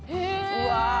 うわ。